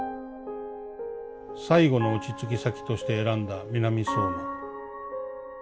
最後の落ち着き先として選んだ南相馬。